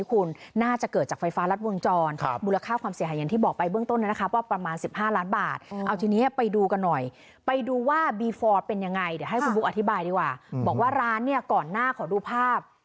ขอให้คุณบุ๊คอธิบายดีกว่าบอกว่าร้านเนี่ยก่อนหน้าขอดูภาพ